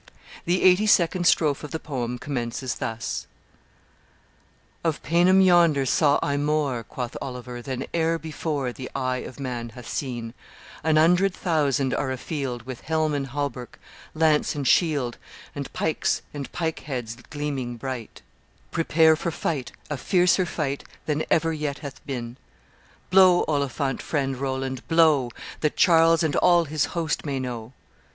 The eighty second strophe of the poem commences thus: "'Of Paynim yonder, saw I more,' Quoth Oliver, 'than e'er before The eye of man hath seen An hundred thousand are a field, With helm and hauberk, lance and shield, And pikes and pike heads gleaming bright; Prepare for fight, a fiercer fight Than ever yet hath been. Blow Olifant, friend Roland, blow, That Charles and all his host may know.